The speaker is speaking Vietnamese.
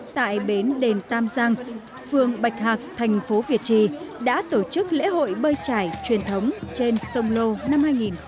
tại bến đền tam giang phường bạch hạc thành phố việt trì đã tổ chức lễ hội bơi trải truyền thống trên sông lô năm hai nghìn một mươi chín